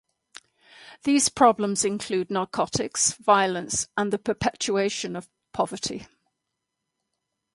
These problems include narcotics, violence, and the perpetuation of poverty.